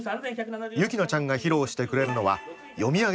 喜なちゃんが披露してくれるのは読み上げ算。